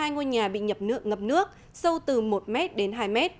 một trăm hai mươi hai ngôi nhà bị nhập nước ngập nước sâu từ một m đến hai m